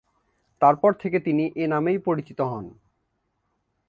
তারপর থেকে তিনি এ নামেই পরিচিত হন।